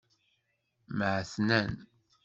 Mɛetnan.